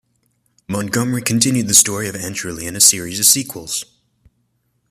Montgomery continued the story of Anne Shirley in a series of sequels.